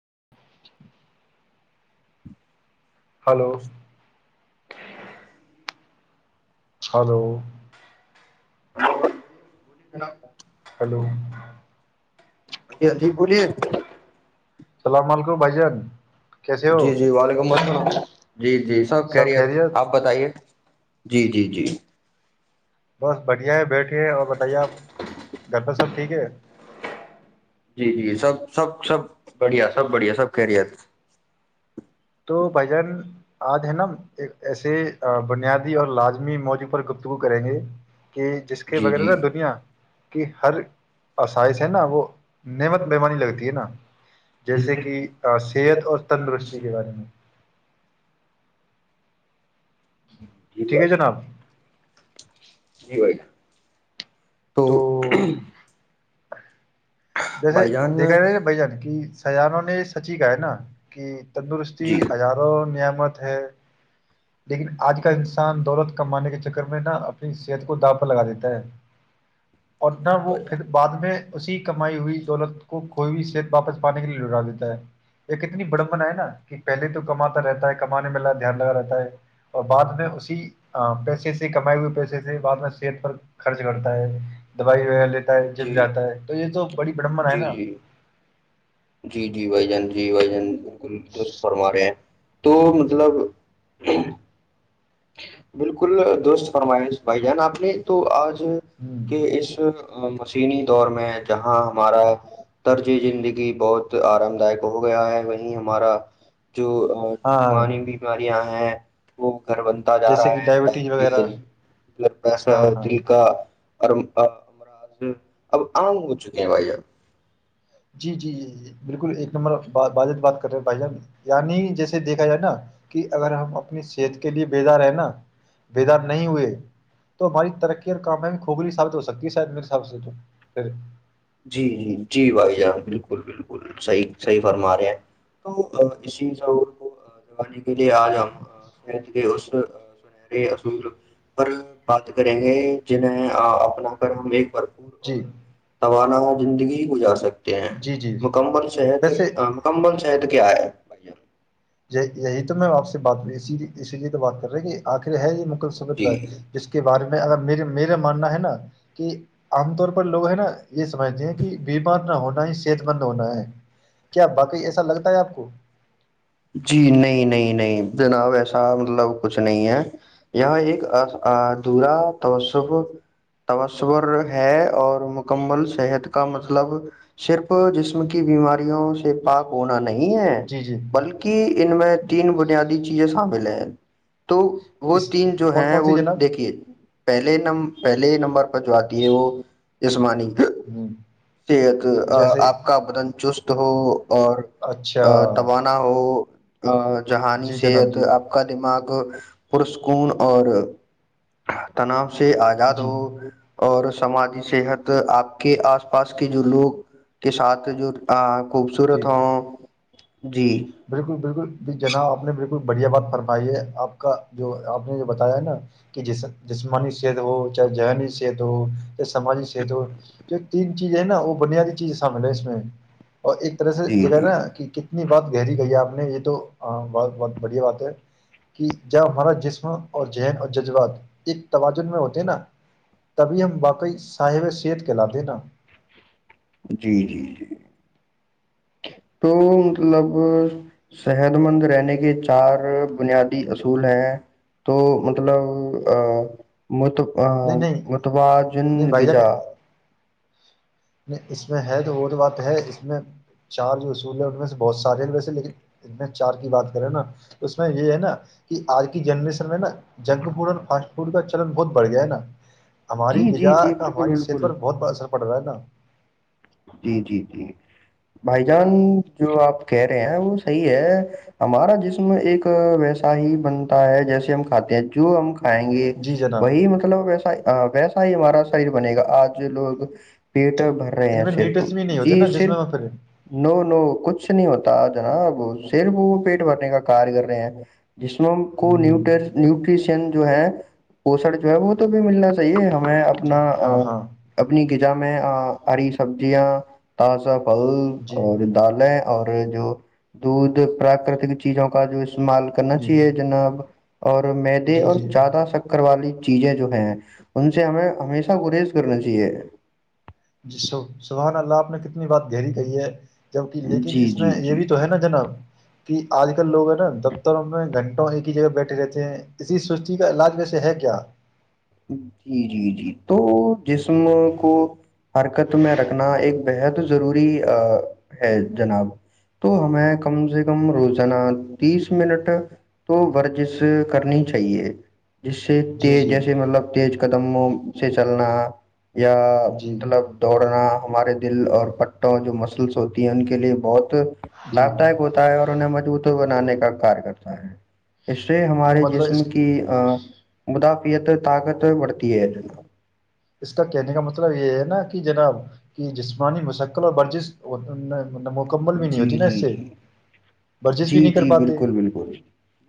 [inaudible] hello hello بولی جنا hello جییک بولیے سلام علکم بھائی جان کیسے ہو جی جی وعلیکم السلام ہ جی جی سب خیریت آپ بتائیے جی جی جی بس بڑھیا ہے بیٹھے اور بتائیے آپ گھر پہ سب ٹھیک ہے جی جی سب سب سب بڑھیا سب بڑھیا سب کہہریی تو بھ جان آج ہے نا ایک ایسے بنیادی اور لازمی موضوع پر گفتگو کریں گے کہ جس کے جی جی وغیرہ نا دنیا کہ ہر اسائذ ہے نا وہ نعمت بیمانی لگتی ہے نا جیسے کہ صحت اور تندرستی ٹھیک ہے جناب نہیں تو جیسے بھائی جان دیکھا رہا بھ جان کی سیانوں نے سچی کہا ہے نا کہ تندرست جی ہزاروں نم ہے لیکن آج کال انسان دولت کمانے کے چکر میں نہا اپنی صحت کو دا پر لگا دیتا ہے اور نہ وہ پھر بعد میں اسی کمائی ہوئی دولت کو ک کوئی بھی صحت واپس پانے کے لیے لٹا دیتا ہے ایک اتنی بڑمبنا ہے نا کہ پہلے تو کماتا رہتا ہے کمانے میں دھیان لگا رہتا ہے اور بعد میں اسی پیسے سے کمائے ہوئے پیسے سے بد میں صحت پر خرچ کرتا ہے دوائی وغیرہ لی ہے جب جی جی جاتا ہے تو یہ تو بڑی براممن ہے نا جی جی جی بھائی جان جی بھائی جان درست فرما رہے ہیں تو مطلب بالکل دوست فرمائش بھائی جان آپ نے تو ہ کہ اس م تسینی دور میں جہاں ہمارا طرج زندگی بہت آرام دائک ہو گیا ہے وہیں ہمارا جو ہاں جسمانی بیماریاں ہیں وہ گھر بنتا جا جیسے رہا کہ ہے وغیرہ ڈائبٹیز ہاں بلڈشر ہاں دل کا امراض اب عام ہو چکے ہیں بھائی اب جی جی جی ج بالکل ایک نمبر بجت بات کر رہے بھائی جان یعنی جیسے دیکھا جائے نا کہ اگر ہم اپنی صحت کے لیے بیدار ہے نا بیدار نہیں ہوئے تو ہماری ترقی اور کامیا بھی کھکھلی ثابت ہو سکتی ہے شاید میرے حساب سے جی جی جی بھائی جان بالکل بالکل صحیح صحیح فرما رہے ہیں تو اسی سعور کو دگانے کے لیے آج ہم فید کے اس سنہرے اصول پر بات کریں گے جنیں اپنا کر ہم ایک ف پور جی اور رانا وہ زندگی گزار سک ہیں جی جی مکمل صحت ویسے مکمل صحت کیا ہے بھائی یہی تو میں آپ سے بات اسی لیے تو بات کر رہے کہ آخر ہے یہ م سمجھ جی گئے جس کے بارے میں ا م میرا ماننا ہے نا کہ عام طور پر لوگ ہے نا یہ سمجھتے ہیں کہ بیمار نہ ہونا ہی صحت مند ہونا ہے کیا باقی ایسا لگتا ہے آپ کو جی نہیں نہیں نہیں جناب ایسا مطلب کچھ نہیں ہے یہ ایکدھورا توس تصر ہے اور مکمل صحت کا مطلب صرف جسم کی بیماریوں سے پاک ہونا نہیں نہیں ہے جی جی بلکہ ان میں تین بنیادی چیزیں شامل ہیں تو وہ اس تین جو کون ہے کون سی وہ جناب دیکھیے پہلے نم پہلے نمبر پر جو آتی ہے وہ جسمانی ہ صحت جیسے آپ کا بدن چست تو اچھا تو جہانی جی جناب صحت جی آپ کاا دماغ پرسکون اور تناؤ سے آزاد جی ہو اور سماجی صحت آپ کے آس پاس کے جو لوگ کے ساتھ جو خوبصورت جی ہ ج [inaudible] بالکل بالکل ج جناب آپ نے بالکل بڑھیا بات فرمائی ہے آپ کا جو آپ نے جو بتایا ہے نا کہ جسمانی صحت ہو چاہے ذہنی صحت ہو چاہے سماجی صحت ہو جو تین چیزیں ہیں نا وہ بنیادی چیزیں شامل ہے اس میں اور ایک طرح سے جی دیکا جی نا کہ کتنی بات گہری کہی آپ نے یہ تو بہت بہت بڑھیا بات ہے کہ جب ہمارا جسم اور ذہن اور جذبات ایک توجن میں ہوتے نا تبھی ہم واقعی صاحب صحت کہلاتے نا جی جی جی تو مطلب صحت مند رہنے کے چار بنیادی اصول ہیں تو مطلب ا مت نہیں نہیں متوازن نہیں بھائی جان غزا نہیں اس میں ہے تو وہ تو بات ہے اس میں چار جو اصول ہے ان میں سے بہت سارے ہیں ویسے لیکن چار کی بات کریں نا تو اس میں یہ ہے نا کہ آج کی جنریشن میں نا جنک فڈ اور فاسٹ فوڈ کا چلن بہت بڑھ گیا ہے نا ہماری جی جی غذا جی کا بالکل ہماری صحت بالکل پر بہت بڑاثر پڑ رہ ہے نا جی جی جی بھائی جان جو آپ کہہ رہے ہیں وہ صحیح ہے ہمارا جسم ایک ویسا ہی بنتا ہے جیسے ہم کھاتے ہیں جو ہم آائیں گے جی جناب وہی مطلب ایسا ہ ویسا ہی ہمارا شر بنے گا آج لوگ پیٹر چک بھر رہے ان ہیں میں صرف نیٹس بھی نہیں ہوتے جی نا جس میں صرف میں پھر نو نو کچھ نہیں ہوتا نا اب صرف وہ پیٹ بھرنے کا کار کر رہے ہیں جسموں کو ہوں، نیٹ نیوٹریشن جو ہے پوسن جو ہے وہ تو بھی ملنا چاہیے ہم میں جی اپنا ہاں ہاں اپنی جا میں عریش سبزیاں تازہ پھل جی اور دالیں اور جو دودھ پراکرتک چیزوں کا جو استعمال کرنا جی چاہیے جناب اور مدے جی اور جی زادہ شکر والی چیزیں جو ہیں ان سے ہمیں ہمیشہ گریز کرنا چاہیے جی س سبحان اللہ آپ نے کتنی بات گہری کہی ہے جبک لیکن جی اس میں جی یہ جی بھی تو ہے نا جناب کہ آج کل لوگ ہیں نا دفتروں میں گھنٹوں ایک ہی جگہ بیٹھے رہتے ہیں اسی سوستی کا علاج ویسے ہے کیا جی جی جی تو جسم کو حرکت میں رکھنا ایک بےحد ضروری ہے جناب تو ہمیں کم سے کم روزانہ تیس منٹ تو ورزش کرنی چاہیے جس سے جی جی تیجس تیز قدموں سے چلنا یا جی مطلب دوڑنا ہمارے دل اور پٹوں جو مسلس ہوتی ہیں ان کے لیے بہت جی لابھ داک ہوتا ہے اور انہیں مجبوط ہو بانے کا کار کرتا ہے اس سے ہمارے مطلب اس جسم کی مدا یہ تو طاقت بڑھتی ہے اس کا کہنے کا مطلب یہ ہے نا کہ جناب کہ جسمانی مستقل اور ورزش مکمل بھی نہیں جی ہوتی نا اس جی سے جی ورزش جی بھی نہیں کر جی پاتے بالکل بالکل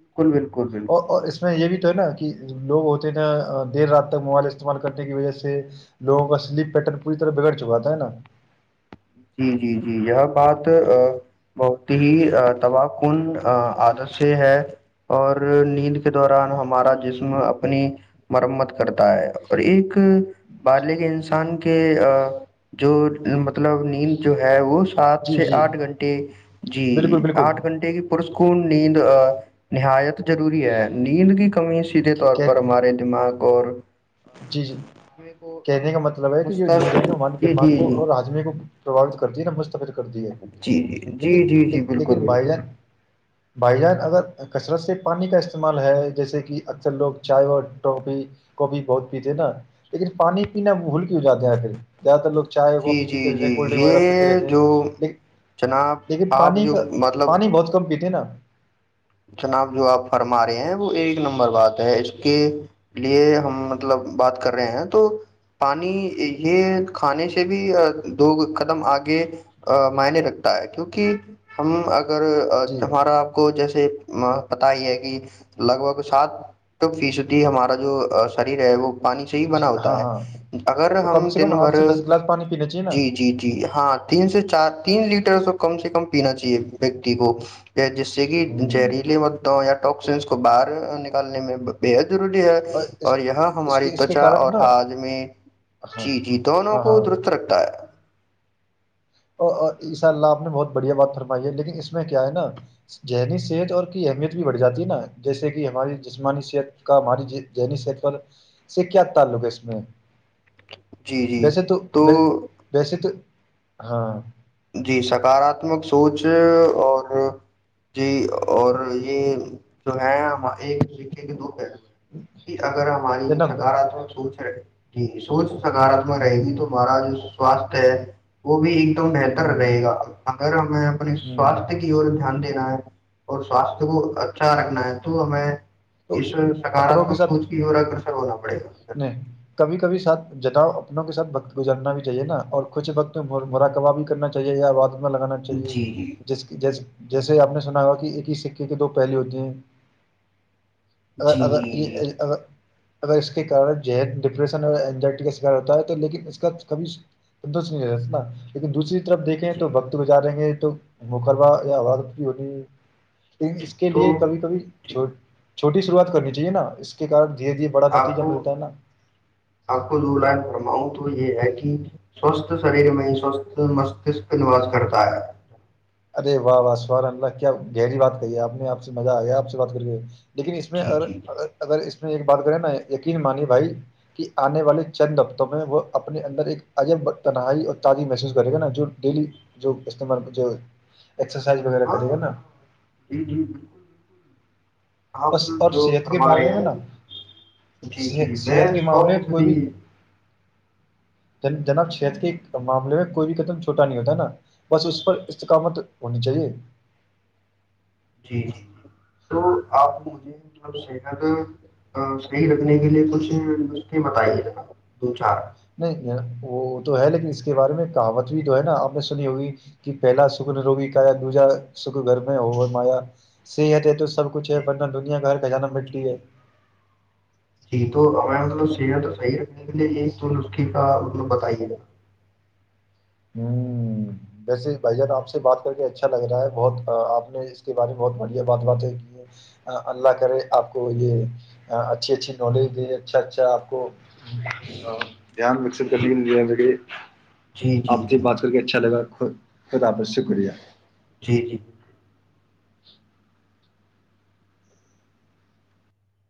بالکل بالکل بالکل اور اس میں یہ بھی تو ہے نا کہ لوگ ہوتے ہیں نا دیر رات تک موبائل استعمال کرنے کی وجہ سے سے لوگوں کا سلیپ پیٹرن پوری طرح بگڑ چکا ہے نا جی جی جی یہ بات بہت ہی تباہ کن عادت سے ہے اور نیند کے دوران ہمارا جسم اپنی مرمت کرتا ہے اور ایک بارلے کے انسان کے جو مطلب جو ہے وہ [unintelligible] سات جی سے جی آٹھ گھنٹے جی بالکل بالکل آٹھ گھنٹے کی پسکار نیند نہایت ضروری ہے نیند کی کمی سیدھے طور کہ- پر ہمارے دماغ اور جی جی کو کہنے کا مطلب ہے کہ یہ مست نییرن ہمارے جی دماغ جی کو جی اور آدمی کو پربات کر دی ہے ن مجھت جی جی جی جی جی بالکل لیکن بھائی بالکل جان بھائی جان اگر کثرت سے پانی کا استعمال ہے جیسے کہ اکثر لوگ چائے اور ٹوپی کاپی بہت پیتے نا لیکن پانی پینا بھول کے ہو جاتاے آخر زیادہ تر لوگ چائے جی کافی پیتے جی رہتے جی ہیں کولڈ ڈرنک وغیرہ پیتے یہ رہتے ہیں جو لیکن جناب لیکن آپ پانی جو کا مطلب پانی بہت کم پیتے ہیں نا [unintelligible] جناب جو آپ فرما رہے ہیں وہ ایک نمبر بات ہے اس کے لیے ہم مطلب بات کر رہے ہیں تو پانی یہ کھانے سے بھی دو قدم آگے معنے رگتا ہے کیونکہ ہم اگر جی ہمارا آپ کو جیسے پتا ہی ہے کہ لگ بھگ سات فیصدی ہمارا جو شریر ہے وہ پانی سے ہی جی بنا ہاں ہوتا ہے ہاں اگر اور کم ہم سے کم دن آٹھ بھر سے دس گلاس پانی پینا چاہیے نا جی جی جی ہاں تین سے چار تین لیٹر س کم سے کم پینا چاہیے ویکتی کو جس سے کہ ہ جریلی م [unintelligible] ٹکسینس کو باہر نکالنے میں بے حد [unintelligible] ضروری ہے اس اور یہ اس ہماری کے اس کے تچا کارن اور نا ہات میں ہاں چی جی دونوں ہاں کو ہاں درست رکھتا ہے اور اسشاء اللہ آپ نے بہت بڑھیا بات فرمائی ہے لیکن اس میں کیا ہے نا ذہنی صحت اور کی اہمیت بھی بڑھ جاتی ہے نا جیسے کہ ہماری جسمانی صحت کا ہماری ذہنی صحت پر سے کیا تعلق ہے اس میں جی جی ویسے تو و ویسے تو ہاں جی سکاراتمک سوچ اور جی اور یہ جو ہے ایک سے کے دو کہ اگر ہماری جو جناب ہ سکارااتمک سوچ رہے ٹھیک ہے سوچ سکارتمک رہے گی تو مہاراج سواستھ ہے وہ بھی ایک دم ہ ڈ رہے گا اگر ہمیں اپنے ہ سوستھ کی اور دھیان دنے اور سواستھ کو اچھا رکھنا ہے تو ہمیں تو اس اپنوں کے سکاراتمک ساتھ سوچ کی اور اگر ہ ن نہیں کبھی کبھی سات جتاؤ اپنےوں کے سھ وقت گزارنا بھی چاہیے نا اور کچھ وقت مراقبہ بھی کرنا چاہیے یا بات میں لگانا جی چاہیے جی جس کی جیس جیسے آپ نے سنا ہوا کہ ایک ہی سکے کے دو پہلے ہوودے ہیں جی اگر جی اگر اگر اائی کارن ج ڈپریشن اور اینزائٹی کا شکار ہوتا ہے تو لیکن اس کا کبھی تندست نہیں رہتا لیکن دوسری طرف دیکھیں جی جی تو بکت گزار رہیں گے تو مقروا ہوا ہونی لن اس کے تو لیے کبھی کبھی چھوٹ چھٹی شروع کر چاہیے نا کےےار دھیرے دھیے آپ کو آپ کو دو لائن فرماؤں تو یہ ہے کہ سوستھ شریر میں سوست مستک نواس کرتا ہے ارے واہ واہف وار اللہ کیا گہری بات کہی ہے آپ نے آپ سے مزہ آیا آپ سے بات کری لیکن اس میں جی جی اگر اس ایک بات کرے نا یقین مانی بھائی کہ آنے والے چند ہفتوں میں وہ اپنے اندر ایک عجب تنہائی اور تازی محسوس کرے گا نا جو ڈیلی جو استعمال جو اسرسائز وغیرہ ہاں کرے گا ہاں نا جی جی بالکل بالکل اور آپ اور جو صحت کے فرما رہے معاملے میں ہیں نا جی صحت جی میں صحت کے معاملے میں کوئی شاپلی بھی جناب شہت کے معاملے میں کوئی بھی قدم چھوٹا نہیں ہوتا ہے نا بس اس پر استقامت ہونی چاہیے جی جی جی تو آپ مجھے ملب صحت صحیح رکھنے کے لیے کچھ نستے بتائیے ج نا دوسرے نہیں یہ وہ تو ہے لیکن اس کے بارے میں کہاوت بھی جو ہے نا آپ نے سنی ہوئی کہ پہلا شکر نے روگی کایا دوجا شکر گھر میں ہو مایا صحت ہے تو سب کچھ ہے جی ورنہ دنیا کاھر کا جانا جی مٹی ہے جی جی تو ہمیں مطلب سیرت تو صحیح رکھنی کیے ایک تو نسخے کا مطلب بتائیے گا [inaudible] ہ ویسے بھائی جان آپ سے بات کر کے اچھا لگ رہا ہے بہت آپ نے اس کے بارے میں بہت بڑھیا بات باتیں کی ہے اللہ کرے آپ کو یہ اچھی اچھی نالج دے اچھا اچھا آپ کو دان مکس جی کٹ جی [inaudible] جی آپ سے جی بات کر کے اچھا لگا خدا حافظ شکریہ جی جی جی [inaudible]